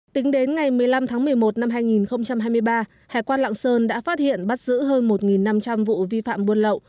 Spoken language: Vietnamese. tính đến ngày một mươi năm tháng một mươi một năm hai nghìn hai mươi ba hải quan lạng sơn đã phát hiện bắt giữ hơn một năm trăm linh vụ vi phạm buôn lậu